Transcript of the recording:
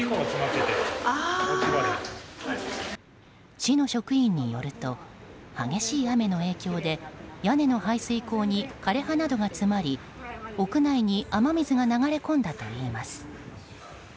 市の職員によると激しい雨の影響で屋根の排水溝に枯れ葉などが詰まり屋内に雨水が流れ込んだといいます。